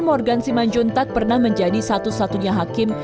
morgan siman juntak pernah menjadi satu satunya hakim